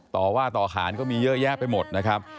ต่อว่าต่อขานก็มีเยอะแยะไปหมดนะครับ